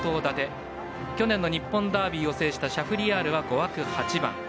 去年の日本ダービーを制したシャフリヤールは５枠８番。